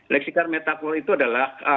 leksikal metafor itu adalah